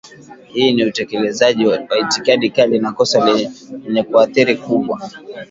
Hii ni utekelezaji wa itikadi kali na kosa lenye athari kubwa